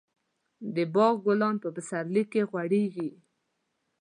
د باغ ګلان په پسرلي کې غوړېږي.